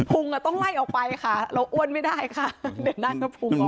ต้องไล่ออกไปค่ะเราอ้วนไม่ได้ค่ะเดี๋ยวได้ก็พุงออก